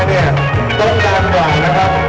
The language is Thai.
ขอบคุณทุกเรื่องราว